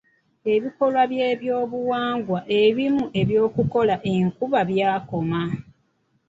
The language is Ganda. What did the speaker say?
Ebikolwa by'ebyobuwangwa ebimu eby'okukola enkuba byakoma.